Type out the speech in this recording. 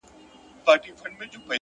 نیک اخلاق تلپاتې پانګه ده.